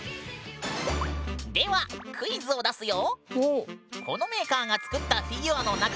ではクイズを出すよ！